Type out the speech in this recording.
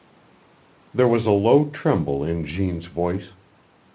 XVI There was a low tremble in Jeanne's voice.